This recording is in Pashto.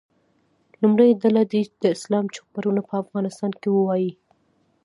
لومړۍ ډله دې د اسلام چوپړونه په افغانستان کې ووایي.